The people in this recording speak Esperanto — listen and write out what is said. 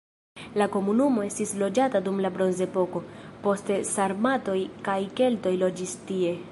La komunumo estis loĝata dum la bronzepoko, poste sarmatoj kaj keltoj loĝis tie.